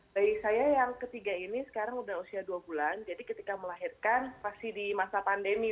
bayi saya yang ketiga ini sekarang sudah usia dua bulan jadi ketika melahirkan pasti di masa pandemi